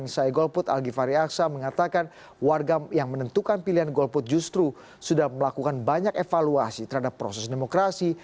saya golput algifari aksa mengatakan warga yang menentukan pilihan golput justru sudah melakukan banyak evaluasi terhadap proses demokrasi